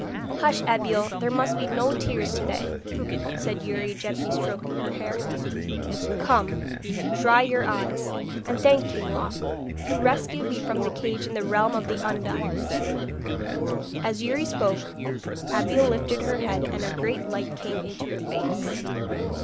'Hush, Abeille! there must be no tears to day,' said Youri, gently stroking her hair. 'Come, dry your eyes, and thank King Loc, who rescued me from the cage in the realm of the Undines.' As Youri spoke Abeille lifted her head, and a great light came into her face.